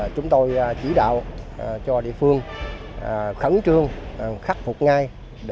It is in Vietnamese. chúng tôi chỉ đạo cho địa phương khẩn trương khắc phục ngay